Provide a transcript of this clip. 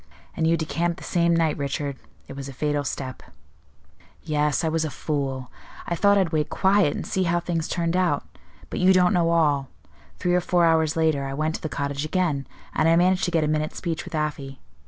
"And you decamped the same night, Richard; it was a fatal step." "Yes, I was a fool. I thought I'd wait quiet, and see how things turned out; but you don't know all. Three or four hours later, I went to the cottage again, and I managed to get a minute's speech with Afy.